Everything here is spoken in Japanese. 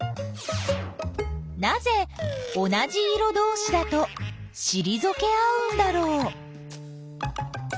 なぜ同じ色どうしだとしりぞけ合うんだろう？